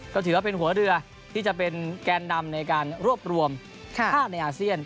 ก็ถือว่าเป็นหัวเรือที่จะเป็นแกนนำในการรวบรวมภาพในอาเซียน